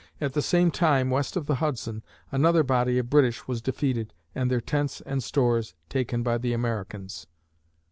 At the same time, west of the Hudson, another body of British was defeated and their tents and stores taken by the Americans.